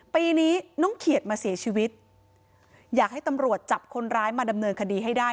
ปีนี้น้องเขียดมาเสียชีวิตอยากให้ตำรวจจับคนร้ายมาดำเนินคดีให้ได้